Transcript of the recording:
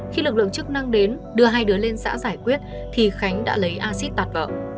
khi lực lượng chức năng đến đưa hai đứa lên xã giải quyết thì khánh đã lấy acid tạt vào